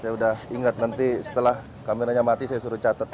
saya sudah ingat nanti setelah kameranya mati saya suruh catet